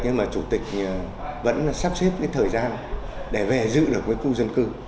nhưng chủ tịch vẫn sắp xếp thời gian để về giữ được khu dân cư